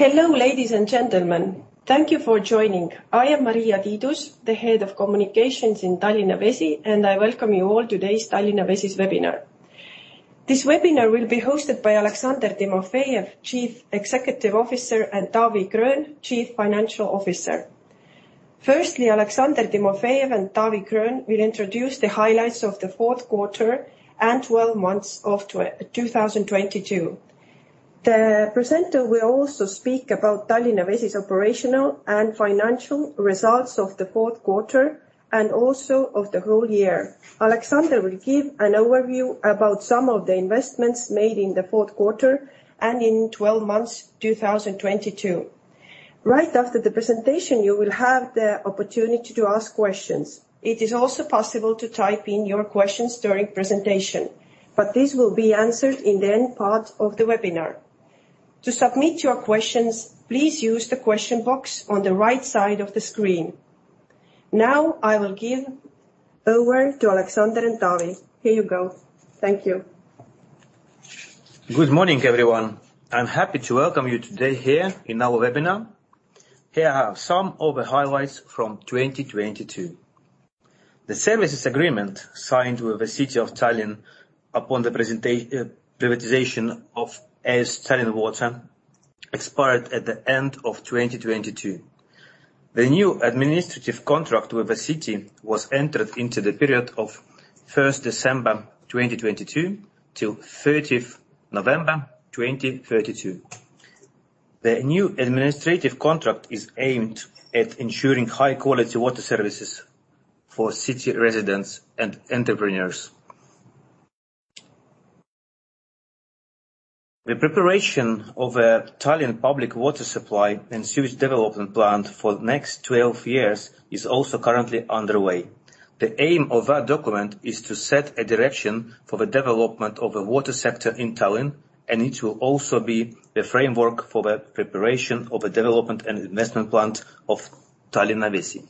Hello, ladies and gentlemen. Thank you for joining. I am Maria Tiidus, the Head of Communications in Tallinna Vesi, and I welcome you all today's Tallinna Vesi's webinar. This webinar will be hosted by Aleksandr Timofejev, Chief Executive Officer, and Taavi Gröön, Chief Financial Officer. Firstly, Aleksandr Timofejev and Taavi Gröön will introduce the highlights of the fourth quarter and 12-months of 2022. The presenter will also speak about Tallinna Vesi's operational and financial results of the fourth quarter and also of the whole year. Aleksandr will give an overview about some of the investments made in the fourth quarter and in 12-months, 2022. Right after the presentation, you will have the opportunity to ask questions. It is also possible to type in your questions during presentation, but this will be answered in the end part of the webinar. To submit your questions, please use the question box on the right side of the screen. Now I will give over to Aleksandr and Taavi. Here you go. Thank you. Good morning, everyone. I'm happy to welcome you today here in our webinar. Here are some of the highlights from 2022. The services agreement signed with the City of Tallinn upon the privatization of AS Tallinna Vesi expired at the end of 2022. The new administrative contract with the city was entered into the period of December 1st, 2022 till 30th November 2032. The new administrative contract is aimed at ensuring high-quality water services for city residents and entrepreneurs. The preparation of a Tallinn public water supply and sewage development plan for next 12 years is also currently underway. The aim of that document is to set a direction for the development of a water sector in Tallinn, and it will also be the framework for the preparation of a development and investment plan of Tallinna Vesi.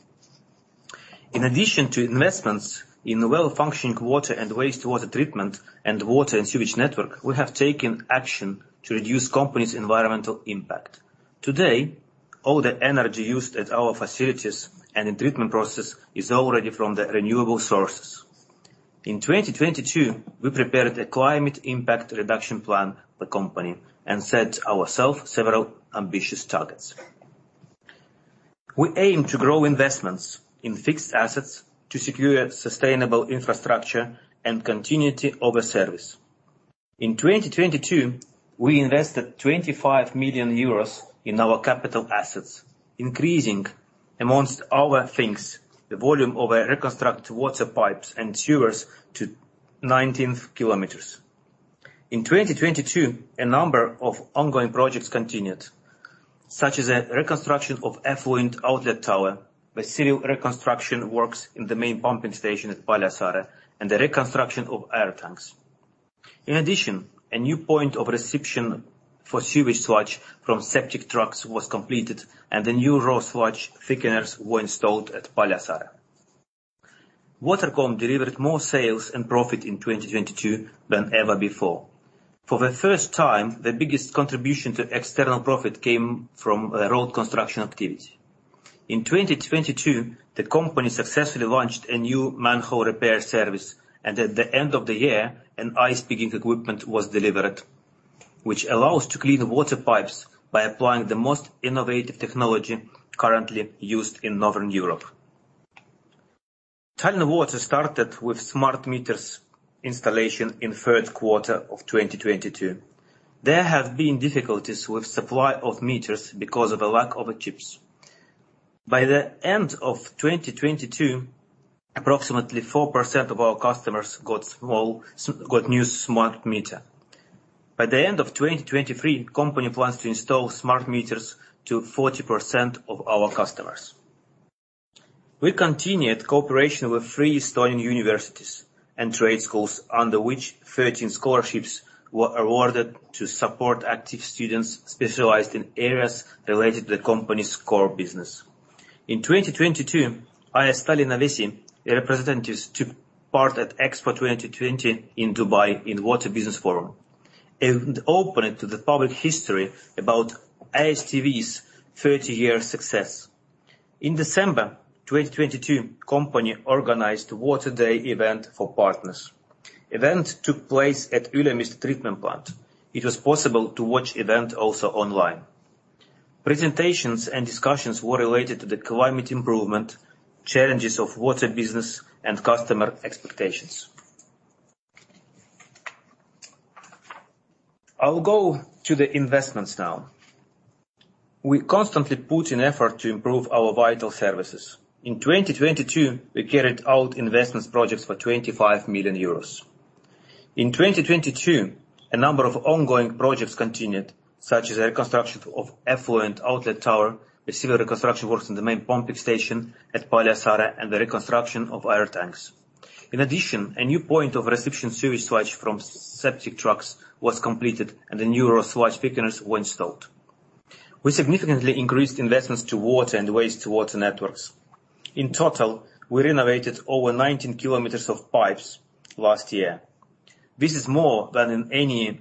In addition to investments in well-functioning water and wastewater treatment and water and sewage network, we have taken action to reduce company's environmental impact. Today, all the energy used at our facilities and in treatment process is already from the renewable sources. In 2022, we prepared a climate impact reduction plan for company and set ourself several ambitious targets. We aim to grow investments in fixed assets to secure sustainable infrastructure and continuity of a service. In 2022, we invested 25 million euros in our capital assets, increasing amongst our things the volume of a reconstructed water pipes and sewers to 19 km. In 2022, a number of ongoing projects continued, such as a reconstruction of effluent outlet tower with civil reconstruction works in the main pumping station at Paljassaare and the reconstruction of air tanks. In addition, a new point of reception for sewage sludge from septic trucks was completed, and the new raw sludge thickeners were installed at Paljassaare. Tallinna Vesi delivered more sales and profit in 2022 than ever before. For the first time, the biggest contribution to external profit came from the road construction activity. In 2022, the company successfully launched a new manhole repair service and at the end of the year, an Ice Pigging equipment was delivered, which allows to clean water pipes by applying the most innovative technology currently used in Northern Europe. Tallinna Vesi started with smart meters installation in third quarter of 2022. There have been difficulties with supply of meters because of a lack of chips. By the end of 2022, approximately 4% of our customers got new smart meter. By the end of 2023, company plans to install smart meters to 40% of our customers. We continued cooperation with three Estonian universities and trade schools, under which 13 scholarships were awarded to support active students specialized in areas related to the company's core business. In 2022, AS Tallinna Vesi representatives took part at Expo 2020 in Dubai in Water Business Forum and opened to the public history about AS Tallinna Vesi's 30-year success. In December 2022, company organized Water Day event for partners. Event took place at Ülemiste treatment plant. It was possible to watch event also online. Presentations and discussions were related to the climate improvement, challenges of water business, and customer expectations. I'll go to the investments now. We constantly put in effort to improve our vital services. In 2022, we carried out investments projects for 25 million euros. In 2022, a number of ongoing projects continued, such as a reconstruction of effluent outlet tower with civil reconstruction works in the main pumping station at Paljassaare and the reconstruction of air tanks. A new point of reception sewage sludge from septic trucks was completed, and the new raw sludge thickeners were installed. We significantly increased investments to water and wastewater networks. We renovated over 19 km of pipes last year. This is more than in any of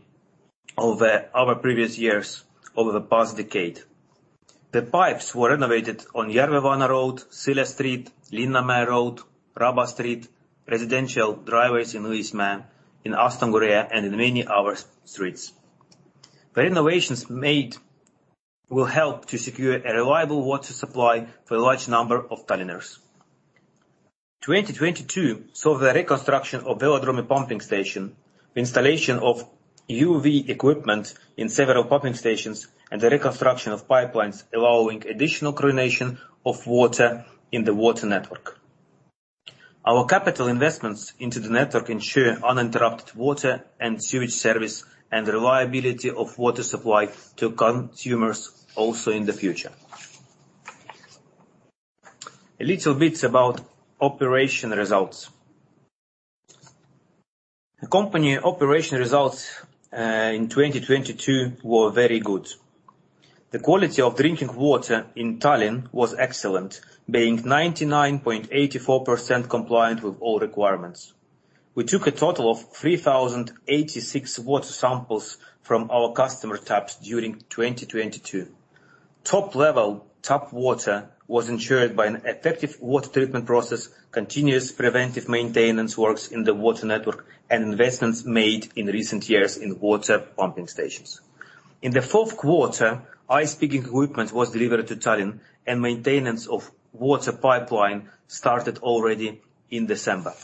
the our previous years over the past decade. The pipes were renovated on Järvevana Road, Siili Street, Linnamäe Road, Raba Street, residential driveways in Uus-Maarja, in Astangu, and in many other streets. The renovations made will help to secure a reliable water supply for a large number of Tallinnas. 2022 saw the reconstruction of Velodrome pumping station, installation of UV equipment in several pumping stations, and the reconstruction of pipelines, allowing additional chlorination of water in the water network. Our capital investments into the network ensure uninterrupted water and sewage service and reliability of water supply to consumers also in the future. A little bit about operation results. The company operation results in 2022 were very good. The quality of drinking water in Tallinn was excellent, being 99.84% compliant with all requirements. We took a total of 3,086 water samples from our customer taps during 2022. Top-level tap water was ensured by an effective water treatment process, continuous preventive maintenance works in the water network, and investments made in recent years in water pumping stations. In the fourth quarter, ice-breaking equipment was delivered to Tallinn, and maintenance of water pipeline started already in December.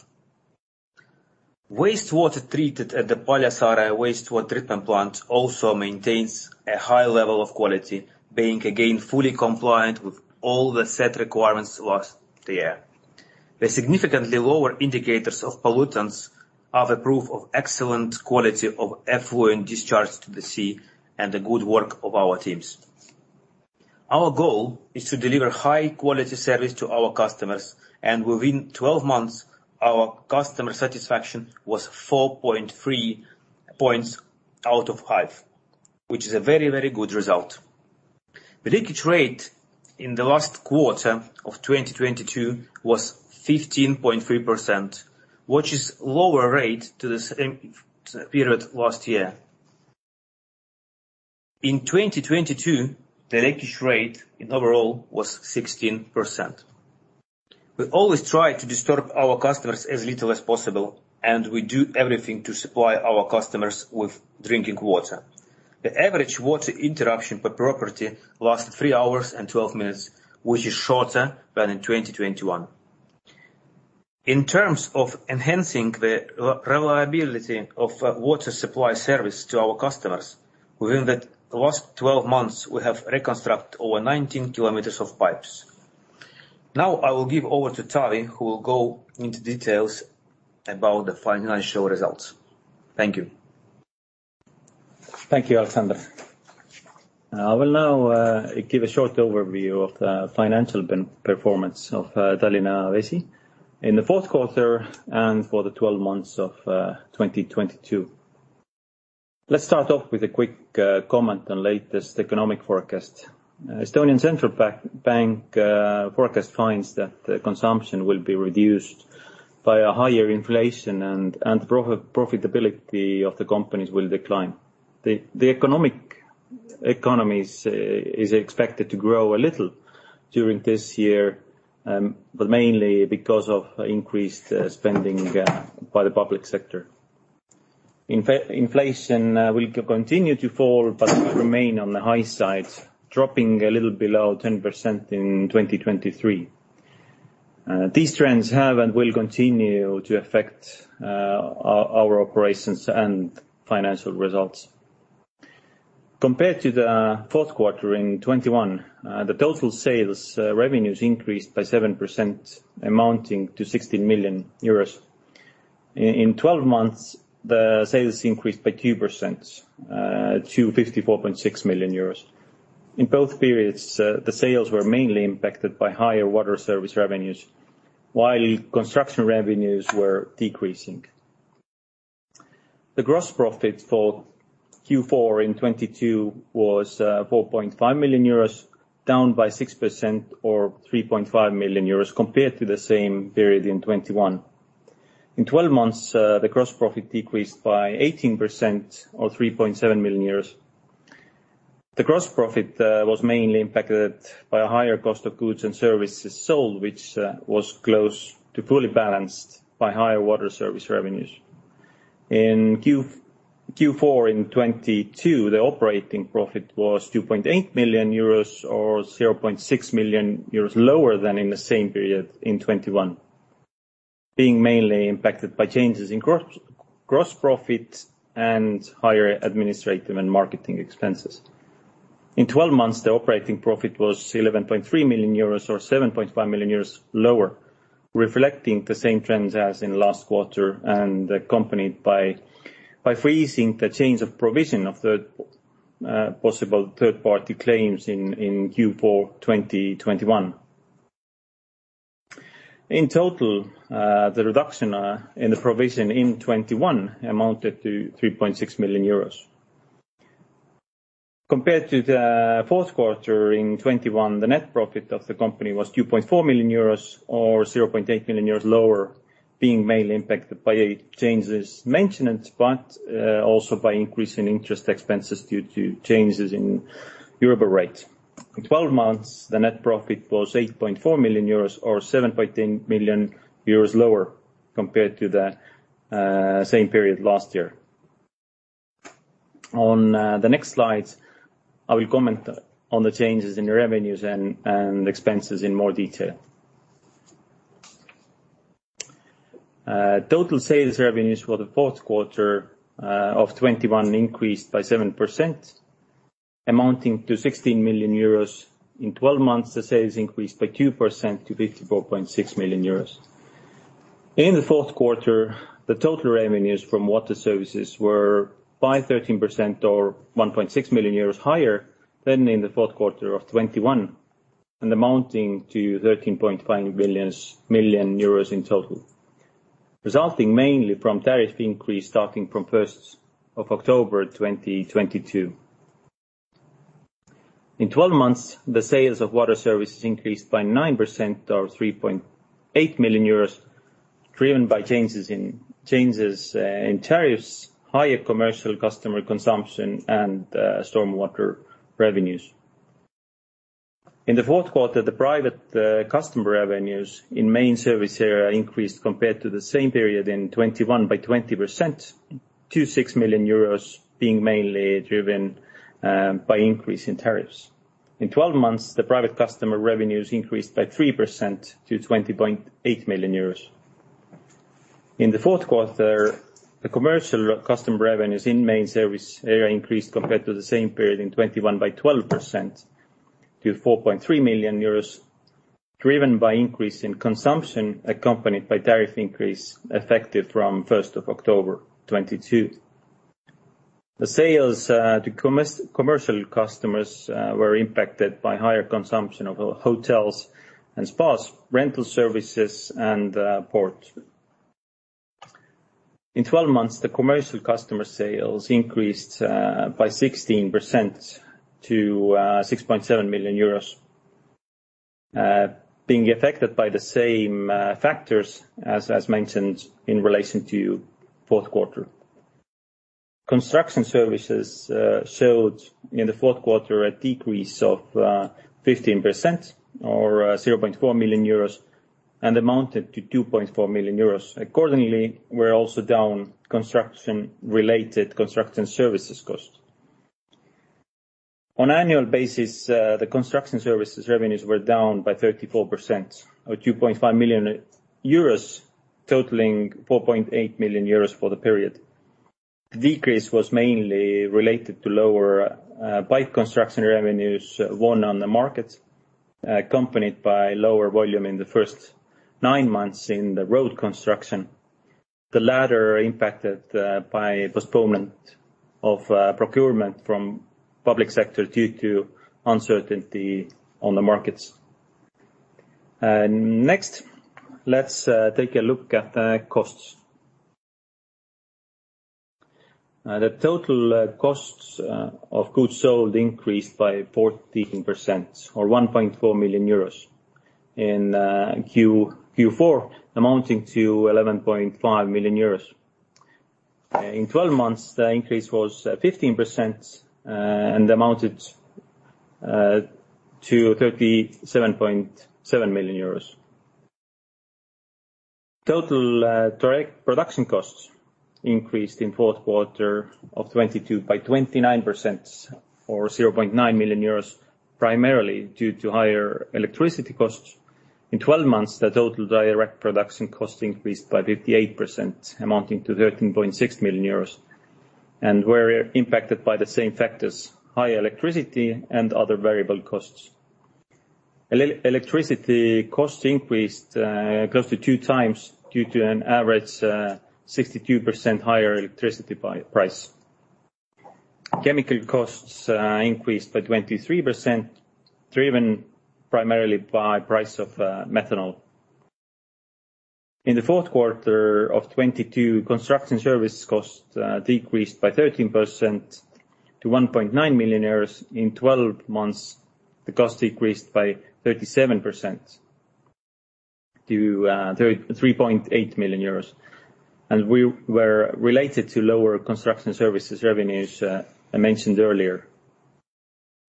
Wastewater treated at the Paljassaare Wastewater Treatment Plant also maintains a high level of quality, being again fully compliant with all the set requirements last year. The significantly lower indicators of pollutants are the proof of excellent quality of effluent discharge to the sea and the good work of our teams. Our goal is to deliver high quality service to our customers, and within 12-months, our customer satisfaction was 4.3 points out of five, which is a very, very good result. The leakage rate in the last quarter of 2022 was 15.3%, which is lower rate to the same period last year. In 2022, the leakage rate in overall was 16%. We always try to disturb our customers as little as possible, and we do everything to supply our customers with drinking water. The average water interruption per property lasted 3-hours and 12-minutes, which is shorter than in 2021. In terms of enhancing the re-reliability of, water supply service to our customers, within the last 12 months, we have reconstruct over 19 km of pipes. I will give over to Taavi who will go into details about the financial results. Thank you. Thank you, Aleksandr. I will now give a short overview of the financial performance of Tallinna Vesi in the fourth quarter and for the 12 months of 2022. Let's start off with a quick comment on latest economic forecast. Estonian Central Bank forecast finds that the consumption will be reduced by a higher inflation and profitability of the companies will decline. The economy is expected to grow a little during this year, but mainly because of increased spending by the public sector. Inflation will continue to fall but will remain on the high side, dropping a little below 10% in 2023. These trends have and will continue to affect our operations and financial results. Compared to the fourth quarter in 2021, the total sales revenues increased by 7%, amounting to 60 million euros. In 12 months, the sales increased by 2%, to 54.6 million euros. In both periods, the sales were mainly impacted by higher water service revenues, while construction revenues were decreasing. The gross profit for Q4 in 2022 was 4.5 million euros, down by 6% or 3.5 million euros compared to the same period in 2021. In 12 months, the gross profit decreased by 18% or 3.7 million euros. The gross profit was mainly impacted by a higher cost of goods and services sold, which was close to fully balanced by higher water service revenues. In Q4 in 2022, the operating profit was 2.8 million euros or 0.6 million euros lower than in the same period in 2021, being mainly impacted by changes in gross profit and higher administrative and marketing expenses. In 12 months, the operating profit was 11.3 million euros or 7.5 million euros lower, reflecting the same trends as in last quarter and accompanied by freezing the change of provision of third, possible third-party claims in Q4 2021. In total, the reduction in the provision in 2021 amounted to 3.6 million euros. Compared to the fourth quarter in 2021, the net profit of the company was 2.4 million euros or 0.8 million euros lower, being mainly impacted by changes mentioned, but also by increasing interest expenses due to changes in euro rate. In 12 months, the net profit was 8.4 million euros or 7.2 million euros lower compared to the same period last year. On the next slide, I will comment on the changes in revenues and expenses in more detail. Total sales revenues for the fourth quarter of 2021 increased by 7% amounting to 16 million euros. In 12 months, the sales increased by 2% to 54.6 million euros. In the fourth quarter, the total revenues from water services were by 13% or 1.6 million euros higher than in the fourth quarter of 2021, amounting to 13.5 million euros in total, resulting mainly from tariff increase starting from 1st of October 2022. In 12 months, the sales of water services increased by 9% or 3.8 million euros, driven by changes in tariffs, higher commercial customer consumption and stormwater revenues. In the fourth quarter, the private customer revenues in main service area increased compared to the same period in 2021 by 20% to 6 million euros, being mainly driven by increase in tariffs. In 12 months, the private customer revenues increased by 3% to 20.8 million euros. In the fourth quarter, the commercial customer revenues in main service area increased compared to the same period in 2021 by 12% to 4.3 million euros, driven by increase in consumption accompanied by tariff increase effective from October 1, 2022. The sales to commercial customers were impacted by higher consumption of hotels and spas, rental services and port. In 12 months, the commercial customer sales increased by 16% to 6.7 million euros, being affected by the same factors as mentioned in relation to fourth quarter. Construction services showed in the fourth quarter a decrease of 15% or 0.4 million euros, and amounted to 2.4 million euros. Accordingly, were also down construction related construction services cost. On annual basis, the construction services revenues were down by 34% or 2.5 million euros totaling 4.8 million euros for the period. The decrease was mainly related to lower pipe construction revenues won on the market, accompanied by lower volume in the first nine months in the road construction. The latter impacted by postponement of procurement from public sector due to uncertainty on the markets. Next, let's take a look at costs. The total costs of goods sold increased by 14% or 1.4 million euros in Q4 amounting to 11.5 million euros. In 12 months, the increase was 15% and amounted to EUR 37.7 million. Total direct production costs increased in fourth quarter of 2022 by 29% or 0.9 million euros, primarily due to higher electricity costs. In 12 months, the total direct production cost increased by 58% amounting to 13.6 million euros and were impacted by the same factors, high electricity and other variable costs. Electricity costs increased close to 2x due to an average 62% higher electricity price. Chemical costs increased by 23%, driven primarily by price of methanol. In the fourth quarter of 2022, construction service cost decreased by 13% to 1.9 million euros. In 12 months, the cost decreased by 37% to 3.8 million euros, and were related to lower construction services revenues I mentioned earlier.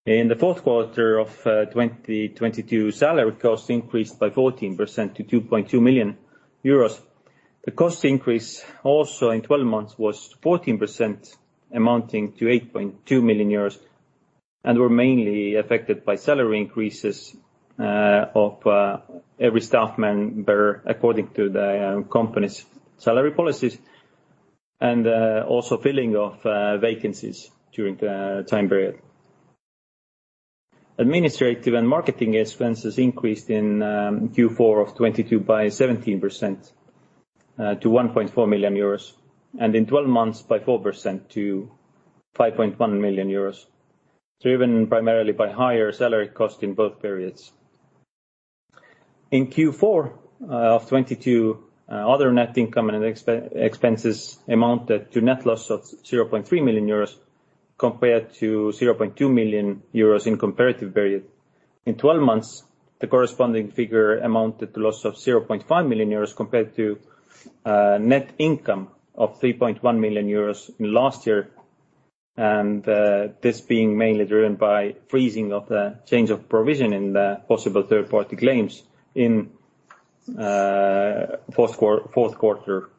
In the fourth quarter of 2022, salary costs increased by 14% to 2.2 million euros. The cost increase also in 12 months was 14% amounting to 8.2 million euros and were mainly affected by salary increases of every staff member according to the company's salary policies, and also filling of vacancies during the time period. Administrative and marketing expenses increased in Q4 of 2022 by 17% to 1.4 million euros, and in 12 months by 4% to 5.1 million euros. Driven primarily by higher salary cost in both periods. In Q4 of 2022, other net income and expenses amounted to net loss of 0.3 million euros compared to 0.2 million euros in comparative period. In twelve months, the corresponding figure amounted to loss of 0.5 million euros compared to net income of 3.1 million euros in last year, this being mainly driven by freezing of the change of provision in the possible third party claims in fourth quarter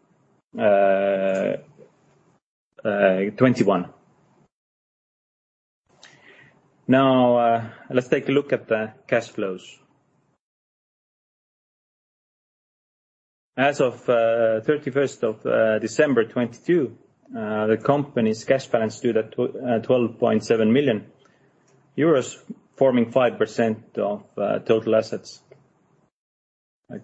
2021. Let's take a look at the cash flows. As of 31st of December 2022, the company's cash balance stood at 12.7 million euros, forming 5% of total assets.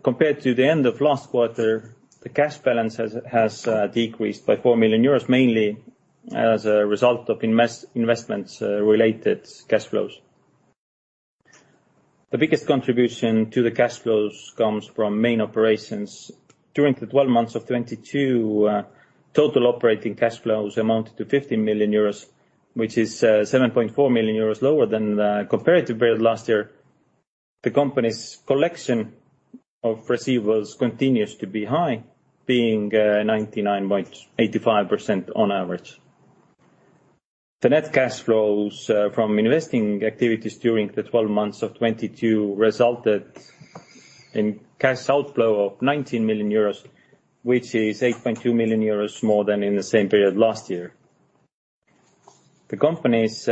Compared to the end of last quarter, the cash balance has decreased by 4 million euros, mainly as a result of investments related cash flows. The biggest contribution to the cash flows comes from main operations. During the 12 months of 2022, total operating cash flows amounted to 50 million euros, which is 7.4 million euros lower than the comparative period last year. The company's collection of receivables continues to be high, being 99.885% on average. The Net Cash Flows from investing activities during the 12 months of 2022 resulted in cash outflow of 19 million euros, which is 8.2 million euros more than in the same period last year. The company's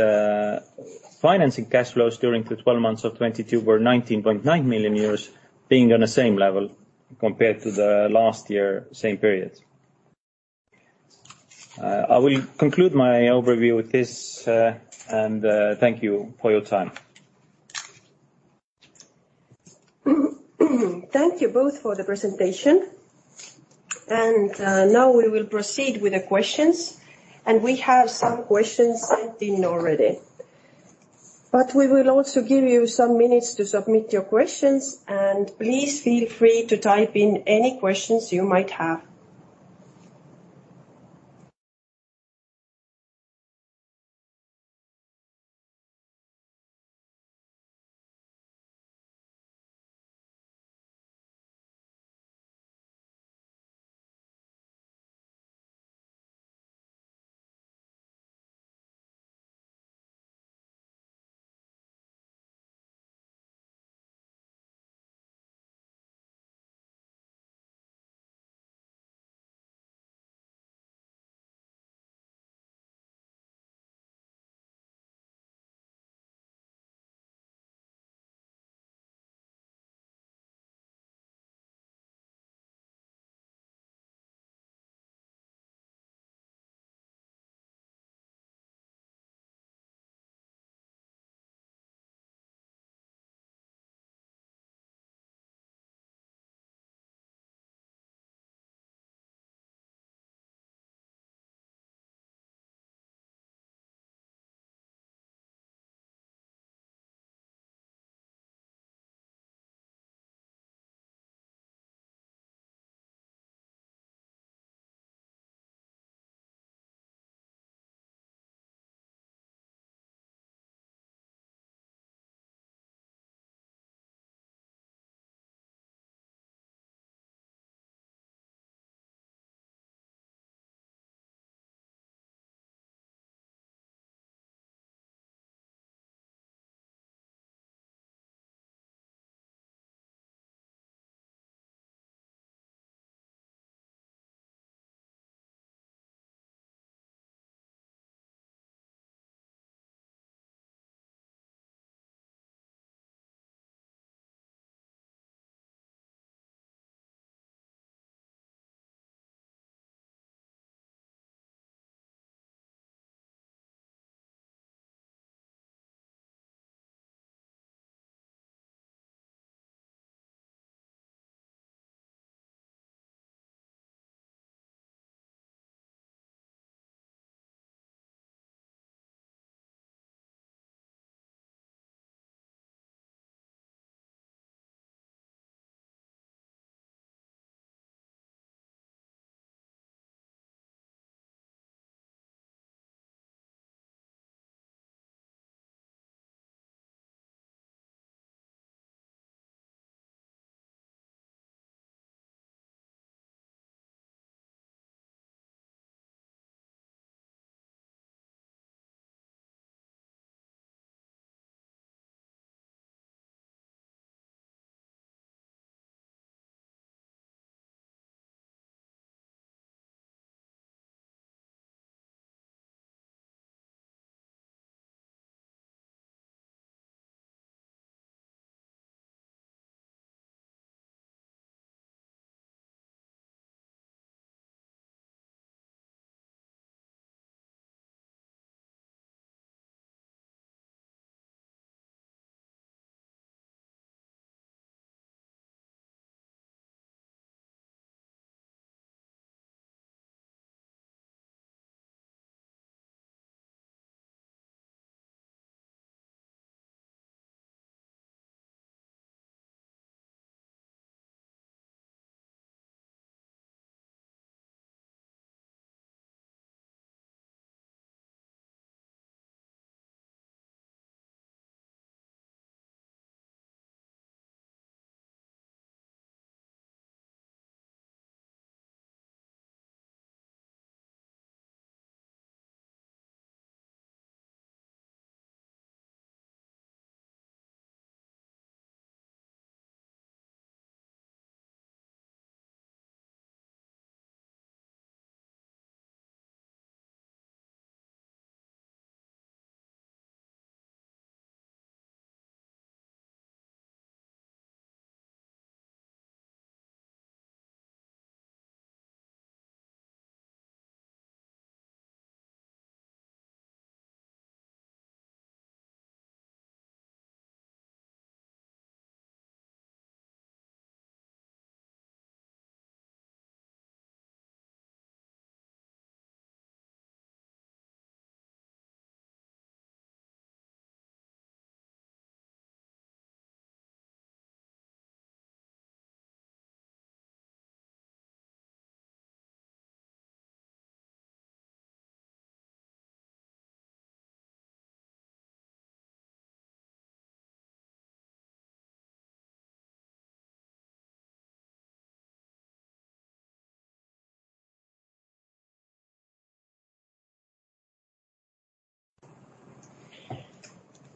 financing cash flows during the 12 months of 2022 were 19.9 million euros, being on the same level compared to the last year same period. I will conclude my overview with this, and thank you for your time. Thank you both for the presentation. Now we will proceed with the questions, and we have some questions sent in already. We will also give you some minutes to submit your questions, and please feel free to type in any questions you might have.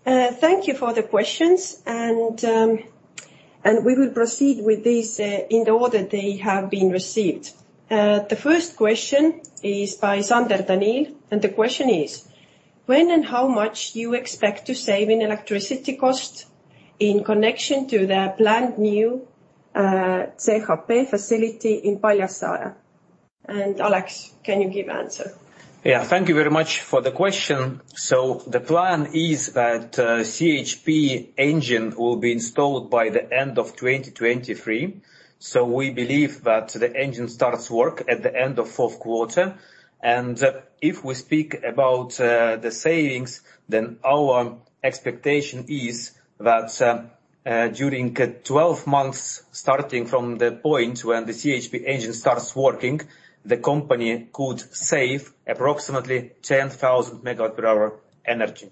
Thank you for the questions and we will proceed with these in the order they have been received. The first question is by Sander Daniel, and the question is: When and how much you expect to save in electricity costs in connection to the planned new CHP facility in Paljassaare? Aleks, can you give answer? Yeah. Thank you very much for the question. The plan is that CHP engine will be installed by the end of 2023. We believe that the engine starts work at the end of fourth quarter. If we speak about the savings, our expectation is that, during 12 months, starting from the point when the CHP engine starts working, the company could save approximately 10,000 MW per hour energy.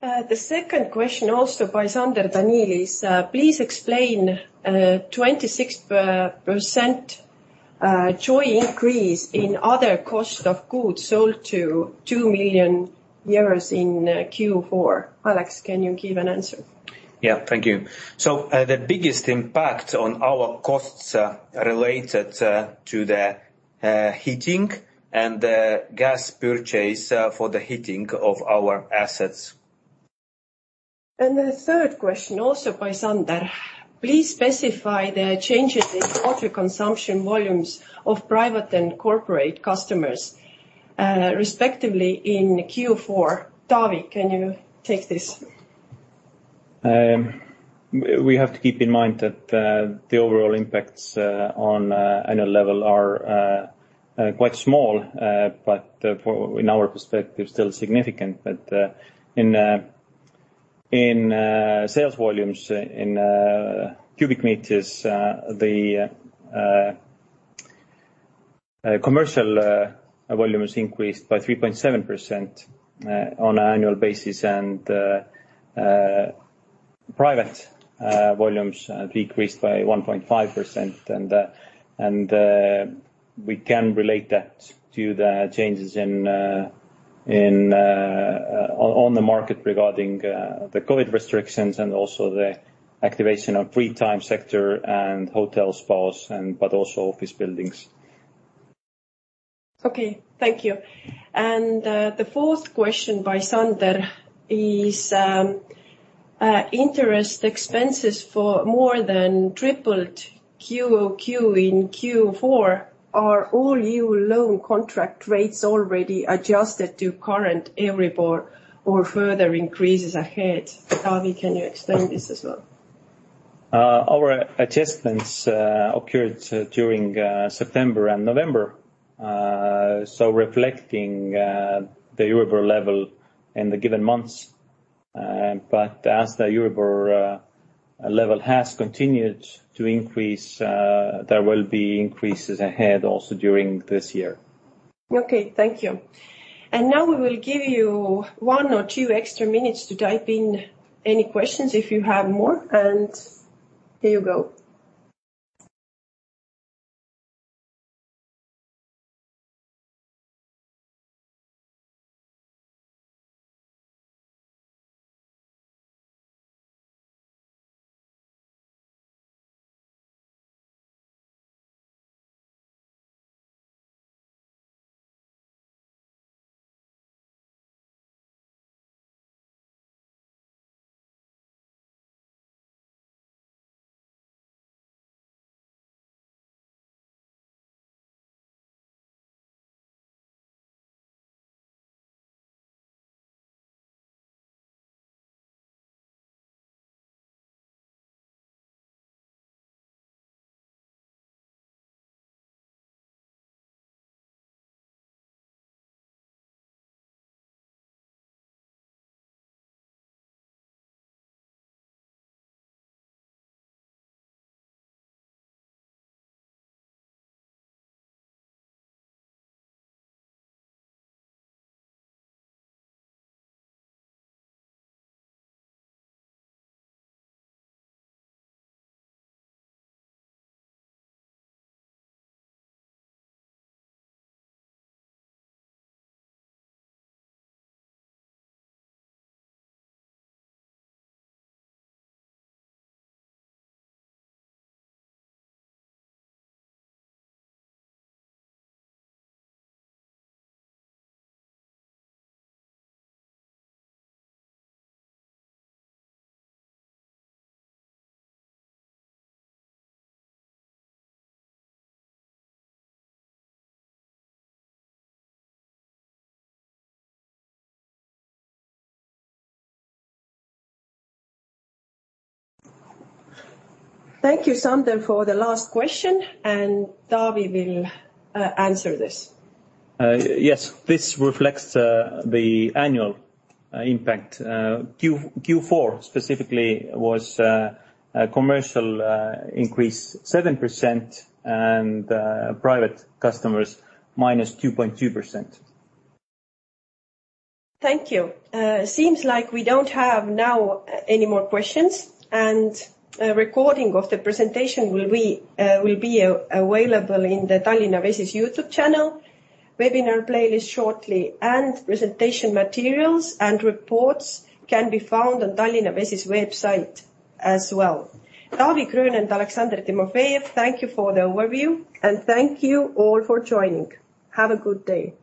The second question also by Sander Daniel is, please explain, 26% joy increase in other costs of goods sold to 2 million euros in Q4. Aleks, can you give an answer? Yeah. Thank you. The biggest impact on our costs are related to the heating and the gas purchase for the heating of our assets. The third question also by Sander: Please specify the changes in water consumption volumes of private and corporate customers, respectively in Q4. Taavi, can you take this? We have to keep in mind that the overall impacts on a annual level are quite small, but for in our perspective, still significant. In sales volumes in cubic meters, the commercial volume has increased by 3.7% on annual basis, and private volumes decreased by 1.5%. We can relate that to the changes in on the market regarding the COVID restrictions and also the activation of free time sector and hotel spots and, but also office buildings. Okay. Thank you. The fourth question by Sander is, interest expenses for more than tripled QoQ in Q4. Are all new loan contract rates already adjusted to current Euribor or further increases ahead? Taavi, can you explain this as well? Our adjustments occurred during September and November. Reflecting the Euribor level in the given months. As the Euribor level has continued to increase, there will be increases ahead also during this year. Okay, thank you. Now we will give you one or two extra minutes to type in any questions if you have more, and here you go. Thank you, Sander, for the last question, and Taavi will answer this. yes. This reflects, the annual, impact. Q4 specifically was, commercial, increased 7% and, private customers -2.2%. Thank you. Seems like we don't have now any more questions, and a recording of the presentation will be available in the Tallinna Vesi YouTube channel, webinar playlist shortly. Presentation materials and reports can be found on Tallinna Vesi's website as well. Taavi Gröön and Aleksandr Timofejev, thank you for the overview, and thank you all for joining. Have a good day.